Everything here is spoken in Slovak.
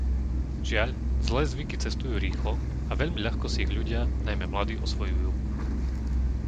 Žiaľ, zlé zvyky cestujú rýchlo a veľmi ľahko si ich ľudia, najmä mladí, osvojujú.